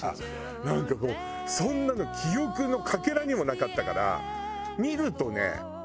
なんかもうそんなの記憶のかけらにもなかったからわかる！